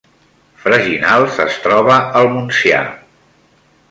Freginals es troba al Montsià